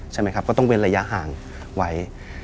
ใช่ไหมครับก็ต้องเว้นระยะห่างไว้